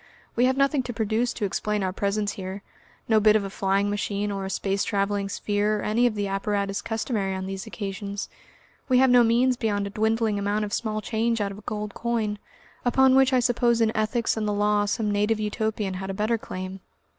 We have nothing to produce to explain our presence here, no bit of a flying machine or a space travelling sphere or any of the apparatus customary on these occasions. We have no means beyond a dwindling amount of small change out of a gold coin, upon which I suppose in ethics and the law some native Utopian had a better claim.